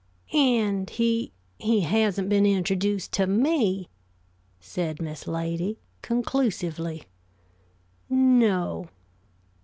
"And he he hasn't been introduced to me," said Miss Lady, conclusively. "No."